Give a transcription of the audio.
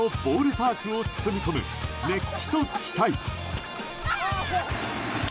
パークを包み込む、熱気と期待。